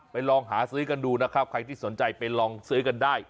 ลองหาซื้อกันดูนะครับใครที่สนใจไปลองซื้อกันได้